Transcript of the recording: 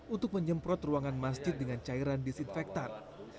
untuk menyemprot ruangan masjid dengan cairan disinfektan